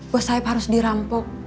buah saif harus dirampok